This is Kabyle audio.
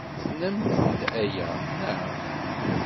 Tennamt-d aya, naɣ?